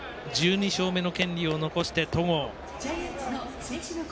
１２勝目の権利を残して戸郷。